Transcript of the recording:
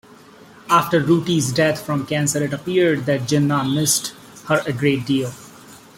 After Ruttie's death from cancer, it appeared that Jinnah missed her a great deal.